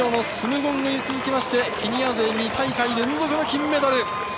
リオのスムゴングに続きましてケニア勢、２大会連続の金メダル！